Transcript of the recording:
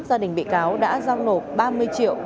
gia đình bị cáo đã giao nộp ba mươi triệu